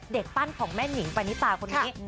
ปั้นของแม่นิงปานิตาคนนี้